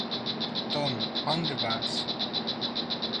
Tom, onde vas?